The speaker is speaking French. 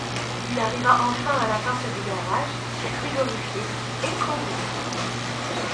Il arriva enfin à la porte du garage, frigorifié et trempé.